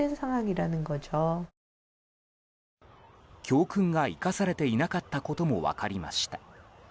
教訓が生かされていなかったことも分かりました。